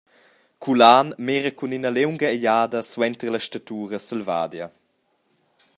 Culan mira cun ina liunga egliada suenter la statura selvadia.